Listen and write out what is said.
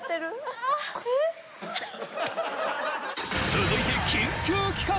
続いて緊急企画。